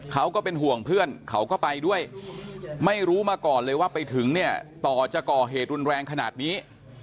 เขาก็เป็นห่วงเพื่อนเขาก็ไปด้วยไม่รู้มาก่อนเลยว่าไปถึงเนี่ยต่อจะก่อเหตุรุนแรงขนาดนี้